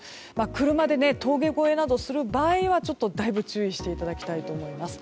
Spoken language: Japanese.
車で峠越えなどをする場合はだいぶ注意していただきたいと思います。